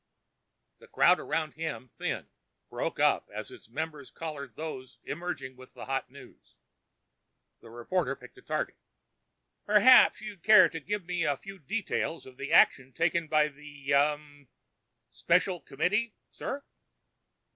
The crowd around him thinned, broke up as its members collared those emerging with the hot news. The reporter picked a target. "Perhaps you'd care to give me a few details of the action taken by the ... ah ... Special Committee, sir?"